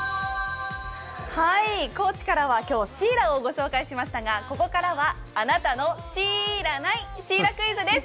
高知からは今日、シイラをご紹介しましたがここからはあなたのシーイラないシイラクイズです。